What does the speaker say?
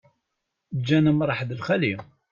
Ǧǧan amṛaḥ d lxali.